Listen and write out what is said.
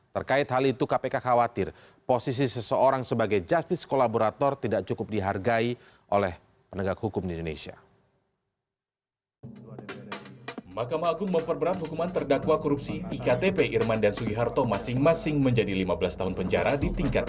terkait hal itu kpk khawatir posisi seseorang sebagai justice kolaborator tidak cukup dihargai oleh penegak hukum di indonesia